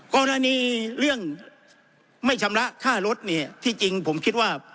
กรณีเรื่องไม่ชำระค่ารถเนี่ยที่จริงผมคิดว่า